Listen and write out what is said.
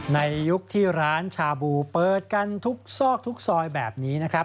ในยุคที่ร้านชาบูเปิดกันทุกซอกทุกซอยแบบนี้นะครับ